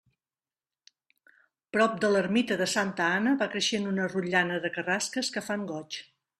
Prop de l'ermita de Santa Anna va creixent una rotllana de carrasques que fan goig.